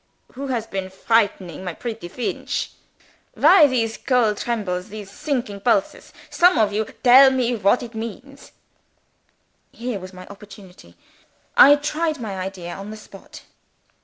"Who has been frightening my pretty Feench? Why these cold trembles? these sinking pulses? Some of you tell me what does it mean?" Here was my opportunity! I tried my idea on the spot.